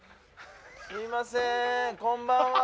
すみませんこんばんは。